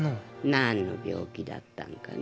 何の病気だったんかな。